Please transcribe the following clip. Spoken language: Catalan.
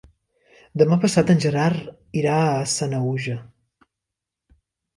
Demà passat en Gerard irà a Sanaüja.